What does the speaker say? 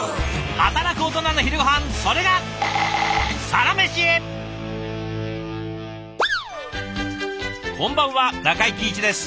働くオトナの昼ごはんそれがこんばんは中井貴一です。